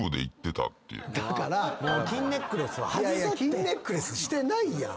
金ネックレスしてないやん。